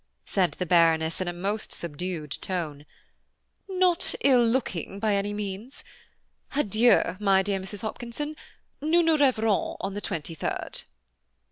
said the Baroness, in a most subdued tone; "not ill looking by any means. Adieu, my dear Mrs. Hopkinson, nous nous reverrons on the 23rd."